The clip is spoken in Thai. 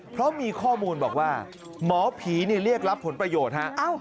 เพราะมีข้อมูลบอกว่าหมอผีเรียกรับผลประโยชน์ฮะ